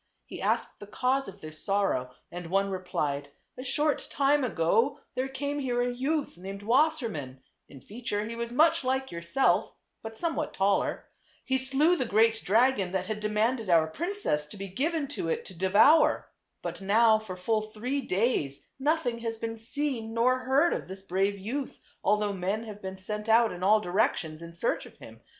He asked the cause of their sorrow and one replied, " A short time ago there came here a youth named Wasser mann ; in feature he was much like yourself, but somewhat taller. He slew the great dragon that had demanded our princess to be given to it to devour. But now for full three days nothing has been seen nor heard of this brave youth, although men have been sent out in all directions in search of him.